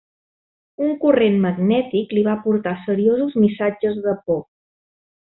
Un corrent magnètic li va portar seriosos missatges de por.